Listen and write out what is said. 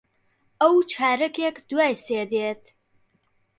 ئەو چارەکێک دوای سێ دێت.